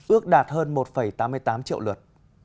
ước đạt hơn một tám mươi tám triệu lượt